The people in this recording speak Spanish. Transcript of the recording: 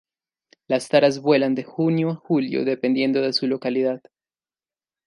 Las taras vuelan de junio a julio dependiendo de su localidad.